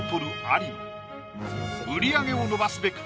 有野売り上げを伸ばすべく